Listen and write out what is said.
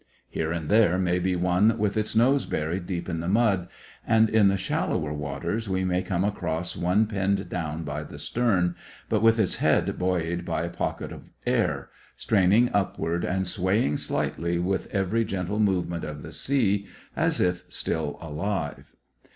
Here and there may be one with its nose buried deep in the mud; and in the shallower waters we may come across one pinned down by the stern, but with its head buoyed by a pocket of air, straining upward and swaying slightly with every gentle movement of the sea, as if still alive.